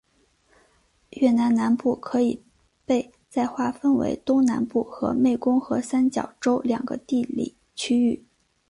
越南南部可以被再划分为东南部和湄公河三角洲两个地理区域。